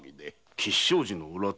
吉祥寺の裏手。